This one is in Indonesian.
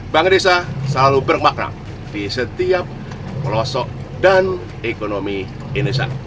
bangresa selalu bermakram di setiap pelosok dan ekonomi indonesia